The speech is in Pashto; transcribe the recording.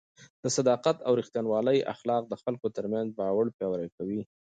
د صداقت او رښتینولۍ اخلاق د خلکو ترمنځ باور پیاوړی کوي.